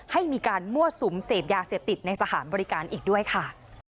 ให้มีการมั่วสุมเสพยาเสพติดในสถานบริการอีกด้วยค่ะ